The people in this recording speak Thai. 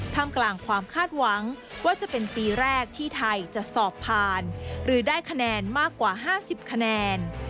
ทำกลางความคาดหวังว่าจะเป็นปีแรกที่ไทยจะสอบผ่านหรือได้คะแนนมากกว่า๕๐คะแนน